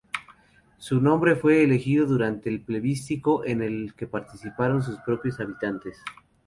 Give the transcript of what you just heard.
Su nombre fue elegido mediante un plebiscito en el que participaron sus propios habitantes.